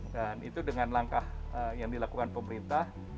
dan itu dengan langkah yang dilakukan pemerintah